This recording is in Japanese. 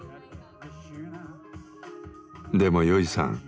でもよいさん